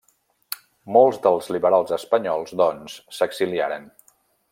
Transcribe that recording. Molts dels liberals espanyols, doncs, s'exiliaren.